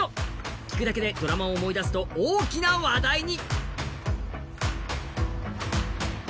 聴くだけでドラマを思い出すと大きな話題に。